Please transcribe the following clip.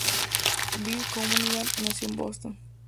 Bill Cunningham nació en Boston.